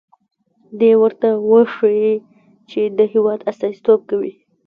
دې ورته وښيي چې د هېواد استازیتوب کوي.